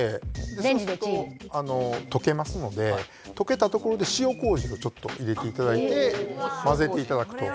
そうすると溶けますので溶けたところで塩こうじをちょっと入れていただいて混ぜていただくと。